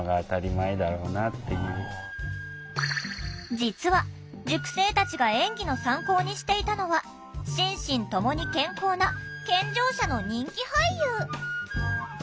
実は塾生たちが演技の参考にしていたのは心身ともに健康な健常者の人気俳優！